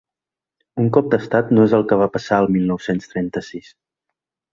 Un cop d’estat no és el que va passar el mil nou-cents trenta-sis.